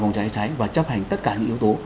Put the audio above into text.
phòng cháy cháy và chấp hành tất cả những yếu tố